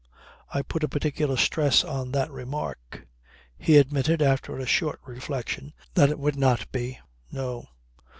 I put a particular stress on that remark. He admitted, after a short reflection, that it would not be. No.